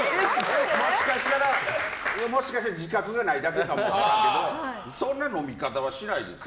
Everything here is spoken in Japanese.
もしかしたら自覚がないだけかもだけどそんな飲み方はしないですよ。